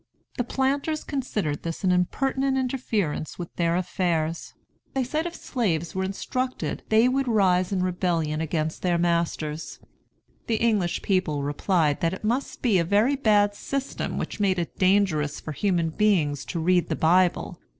The planters considered this an impertinent interference with their affairs. They said if slaves were instructed they would rise in rebellion against their masters. The English people replied that it must be a very bad system which made it dangerous for human beings to read the Bible.